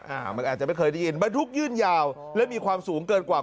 มันอาจจะไม่เคยได้ยินบรรทุกยื่นยาวและมีความสูงเกินกว่า